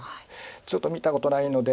ちょっと見たことないので。